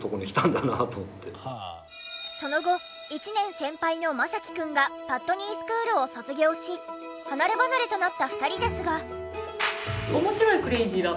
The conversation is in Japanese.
その後１年先輩のマサキくんがパットニースクールを卒業し離れ離れとなった２人ですが。